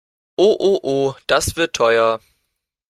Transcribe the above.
Oh oh oh, das wird teuer!